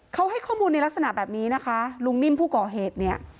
เขาให้ข้อมูลในลักษณะแบบนี้นะคะลุงนิ่มผู้ก่อเหตุเนี่ย